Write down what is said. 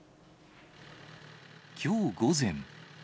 きょう午前。